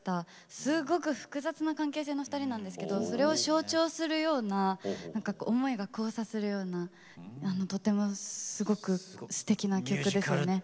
すごく複雑な関係性の２人なんですけどそれを象徴するような思いが交差するようなとてもすごくすてきな曲ですよね。